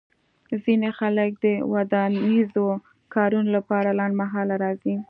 ځینې خلک د ودانیزو کارونو لپاره لنډمهاله راځي